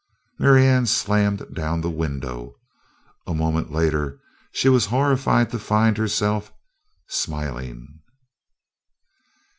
Marianne slammed down the window. A moment later she was horrified to find herself smiling.